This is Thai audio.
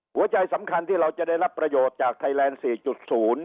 หัวใจสำคัญที่เราจะได้รับประโยชน์จากไทยแลนด์๔๐